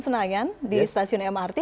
senayan di stasiun mrt